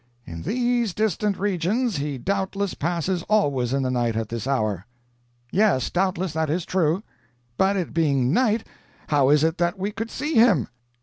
"In these distant regions he doubtless passes always in the night at this hour." "Yes, doubtless that is true. But it being night, how is it that we could see him?"